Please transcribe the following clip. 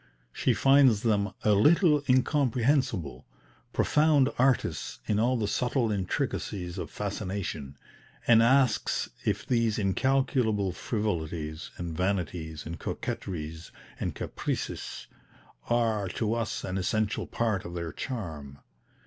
She finds them "a little incomprehensible," "profound artists in all the subtle intricacies of fascination," and asks if these "incalculable frivolities and vanities and coquetries and caprices" are, to us, an essential part of their charm?